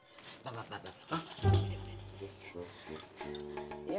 tidak ada keputusan